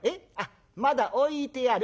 まだ置いてある？